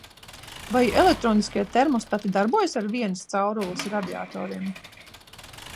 Vai elektroniskie termostati darbojas ar vienas caurules radiatoriem?